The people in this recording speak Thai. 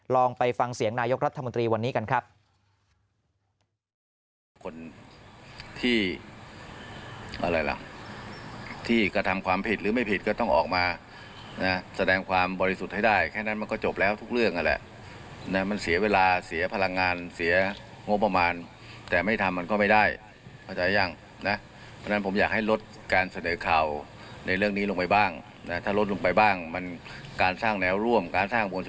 ลองไปฟังเสียงนายกรัฐมนตรีวันนี้กันครับ